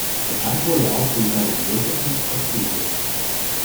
Bekannt wurde er auch durch seine Entwürfe von Exlibris.